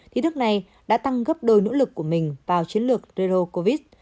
thì nước này đã tăng gấp đôi nỗ lực của mình vào chiến lược rero covid